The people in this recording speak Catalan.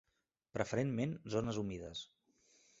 Preferentment zones humides.